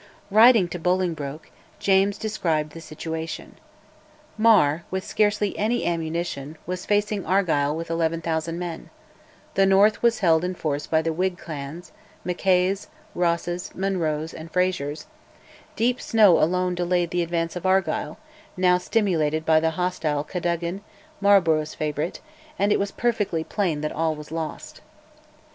Writing to Bolingbroke, James described the situation. Mar, with scarcely any ammunition, was facing Argyll with 11,000 men; the north was held in force by the Whig clans, Mackays, Rosses, Munroes, and Frazers; deep snow alone delayed the advance of Argyll, now stimulated by the hostile Cadogan, Marlborough's favourite, and it was perfectly plain that all was lost.